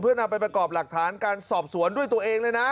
นำไปประกอบหลักฐานการสอบสวนด้วยตัวเองเลยนะ